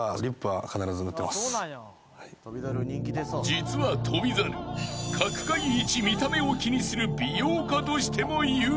［実は翔猿角界一見た目を気にする美容家としても有名］